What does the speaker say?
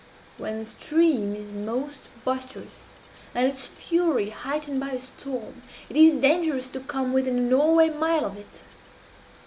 When the stream is most boisterous, and its fury heightened by a storm, it is dangerous to come within a Norway mile of it.